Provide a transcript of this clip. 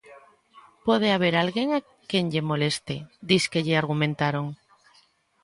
"Pode haber alguén a quen lle moleste", disque lle argumentaron.